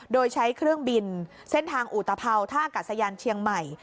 โดยใช้เครื่องบินเส้นทางอุตภัวท่ากัดสยานเชียงใหม่